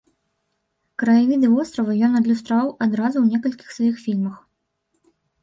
Краявіды вострава ён адлюстраваў адразу ў некалькіх сваіх фільмах.